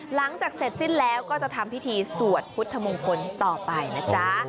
หลังจากเสร็จสิ้นแล้วก็จะทำพิธีสวดพุทธมงคลต่อไปนะจ๊ะ